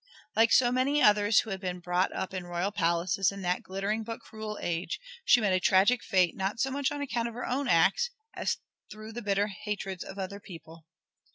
Like so many others who had been brought up in royal palaces in that glittering but cruel age she met a tragic fate not so much on account of her own acts as through the bitter hatreds of other people.